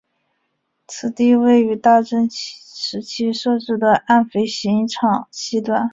此地位于大正时期设置的岸飞行场西端。